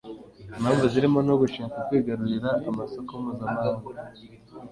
impamvu zirimo no gushaka kwigarura amasoko mpuzamahanga.